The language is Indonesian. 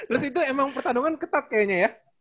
menurut itu emang pertandungan ketat kayaknya ya